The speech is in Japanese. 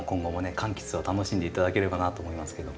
柑橘を楽しんで頂ければなと思いますけども。